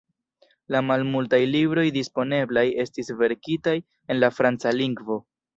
La malmultaj libroj disponeblaj estis verkitaj en la franca lingvo.